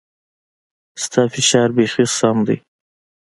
ستا فشار بيخي سم ديه.